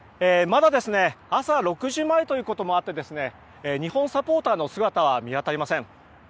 まだ朝６時前ということもあって日本サポーターの姿は見当たりません。